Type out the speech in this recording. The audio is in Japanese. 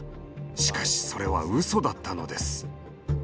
しかしそれはうそだったのです。